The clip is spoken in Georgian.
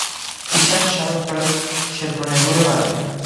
ის არის შავი ხვრელის შებრუნებული ვარიანტი.